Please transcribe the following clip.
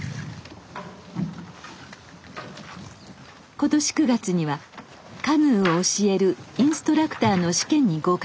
今年９月にはカヌーを教えるインストラクターの試験に合格しました。